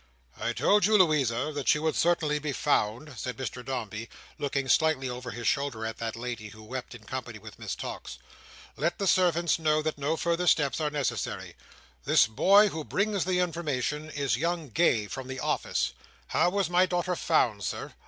"I told you, Louisa, that she would certainly be found," said Mr Dombey, looking slightly over his shoulder at that lady, who wept in company with Miss Tox. "Let the servants know that no further steps are necessary. This boy who brings the information, is young Gay, from the office. How was my daughter found, Sir?